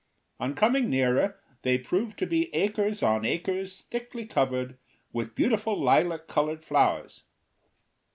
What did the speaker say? On coming nearer they proved to be acres on acres thickly covered with beautiful lilac colored flowers.